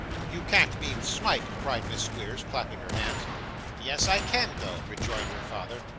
'You can't mean Smike?' cried Miss Squeers, clapping her hands. 'Yes, I can though,' rejoined her father.